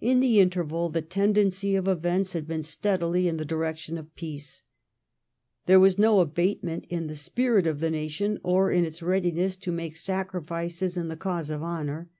In the interval the tendency of events had been steadily in the direction of peace* There was no abatement in the spirit of the nation, or in its readi ness to make sacrifices in the cause of honour.